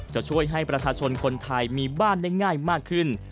จะช่วยให้ประชาชนคนไทยมีบ้านได้ง่ายมากขึ้น